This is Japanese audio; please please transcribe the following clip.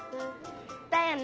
だよね。